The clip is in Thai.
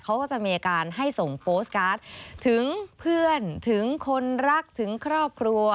เขาก็จะมีอาการให้ส่งโปสตการ์ดถึงเพื่อนถึงคนรักถึงครอบครัว